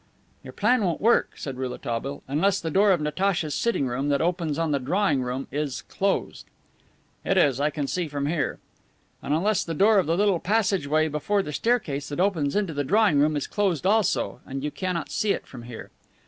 "Your plan won't work," said Rouletabille, "unless the door of Natacha's sitting room that opens on the drawing room is closed." "It is. I can see from here." "And unless the door of the little passage way before that staircase that opens into the drawing room is closed also, and you cannot see it from here."